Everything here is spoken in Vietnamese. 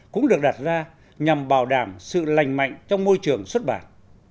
cũng được đặt ra nhằm bảo đảm sự lành mạnh trong môi trường xuất bản